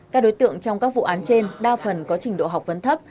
các đối tượng trong các vụ án trên đa phần có trình độ học vấn thấp